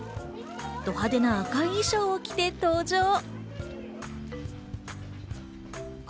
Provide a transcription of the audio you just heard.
ど派手な赤い衣装を着て登場。